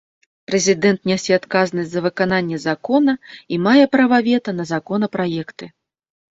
Прэзідэнт нясе адказнасць за выкананне закона, і мае права вета на законапраекты.